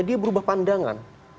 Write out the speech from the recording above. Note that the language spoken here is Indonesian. dia berubah pandangan